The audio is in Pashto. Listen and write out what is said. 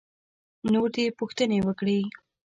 نور دې پوښتنې وکړي.